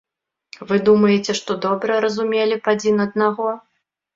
Вы думаеце, што добра разумелі б адзін аднаго?